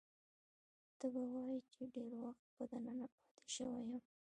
ته به وایې چې ډېر وخت به دننه پاتې شوی یم.